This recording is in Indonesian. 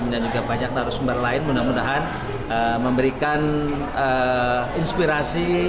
dan juga banyak narasumber lain mudah mudahan memberikan inspirasi